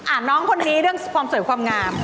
น้องคนนี้เรื่องความสวยความงาม